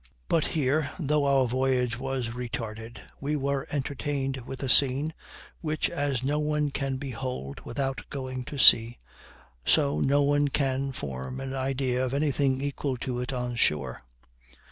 But here, though our voyage was retarded, we were entertained with a scene, which as no one can behold without going to sea, so no one can form an idea of anything equal to it on shore.